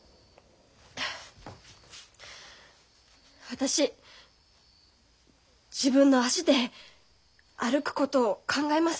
私自分の足で歩くことを考えます。